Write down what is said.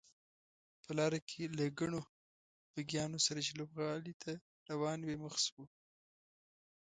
په لاره کې له ګڼو بګیانو سره چې لوبغالي ته روانې وې مخ شوو.